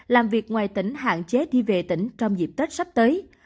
làm việc ngoài tỉnh hạn chế đi về tỉnh trong dịp tết sắp tới